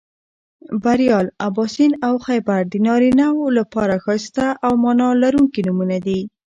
بریال، اباسین او خیبر د نارینهٔ و لپاره ښایسته او معنا لرونکي نومونه دي